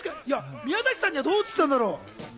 宮崎さにはどう映ってたんだろう？